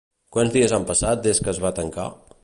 Quants dies han passat des que es va tancar?